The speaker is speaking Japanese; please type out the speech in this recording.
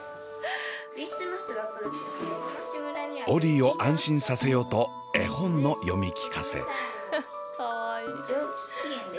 オリィを安心させようと絵本の読み聞かせ。